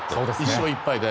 １勝１敗で。